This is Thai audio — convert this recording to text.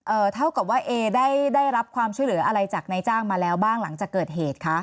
เท่ากับว่าเอได้ได้รับความช่วยเหลืออะไรจากนายจ้างมาแล้วบ้างหลังจากเกิดเหตุคะ